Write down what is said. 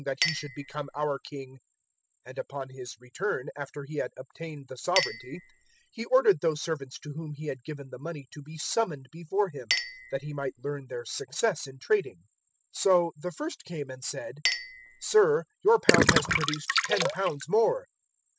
019:015 And upon his return, after he had obtained the sovereignty, he ordered those servants to whom he had given the money to be summoned before him, that he might learn their success in trading. 019:016 "So the first came and said, "`Sir, your pound has produced ten pounds more.'